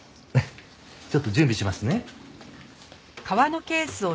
ちょっと準備しますね。